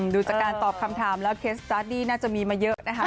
ดูจากการตอบคำถามแล้วเคสตาร์ดดี้น่าจะมีมาเยอะนะคะ